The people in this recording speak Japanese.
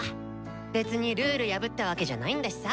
別にルール破ったわけじゃないんだしさぁ。